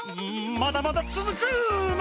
まだまだつづくの！